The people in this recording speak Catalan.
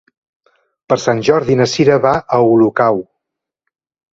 Per Sant Jordi na Cira va a Olocau.